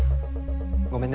ごめんね。